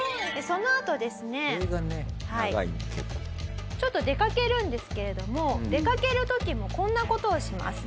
そのあとですねちょっと出かけるんですけれども出かける時もこんな事をします。